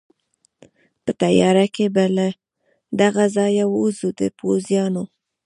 په تېاره کې به له دغه ځایه ووځو، د پوځیانو.